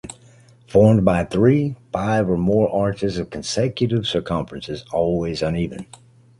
Formed by three, five or more arches of consecutive circumferences, always uneven.